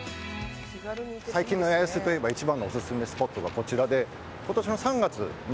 最近の八重洲といえば一番のオススメスポットがこちら。